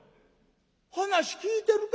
話聞いてるか？